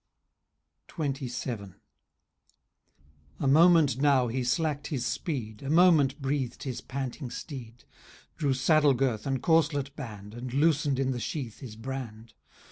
* XXVII. A moment now he slacked his speed, A moment breathed his panting steed ; Drew saddle girth and corslet band, "* And loosen'd in the sheath his brand.